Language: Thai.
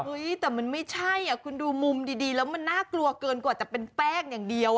แต่มันไม่ใช่คุณดูมุมดีแล้วมันน่ากลัวเกินกว่าจะเป็นแป้งอย่างเดียว